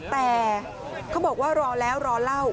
แต่เขาบอกว่ารอแล้วรอเล่า